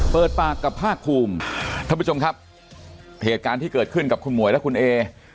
เปิดปากกับภาคภูมิท่านผู้ชมครับเหตุการณ์ที่เกิดขึ้นกับคุณหมวยและคุณเอ